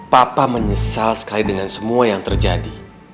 papa menyesal sekali dengan semua yang terjadi